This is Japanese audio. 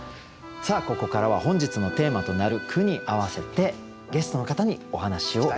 ここからは本日のテーマとなる句に合わせてゲストの方にお話を伺います。